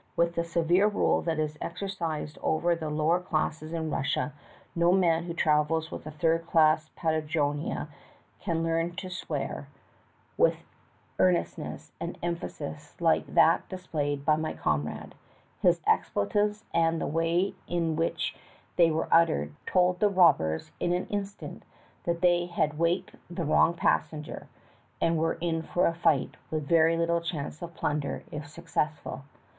With the severe rule that is exercised over the lower classes in Russia no man who travels with a third class paderojnia can learn to swear STOPPED BY RUSSIAN ROBBERS. with earnestness and emphasis like that displayed by my comrade; his expletives and the way in which they were uttered told the robbers in an instant that they had "waked the wrong passen ger" and were in for a fight, with very little chance of plunder if successful.